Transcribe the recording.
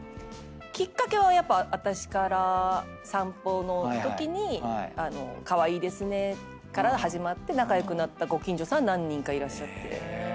きっかけはやっぱ私から散歩のときに「カワイイですね」から始まって仲良くなったご近所さん何人かいらっしゃって。